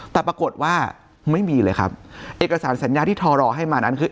แต่ปรากฏว่าไม่มีเลยครับเอกสารสัญญาที่ทอรอให้มานั้นคือ